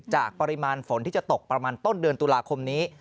ปริมาณฝนที่จะตกประมาณต้นเดือนตุลาคมนี้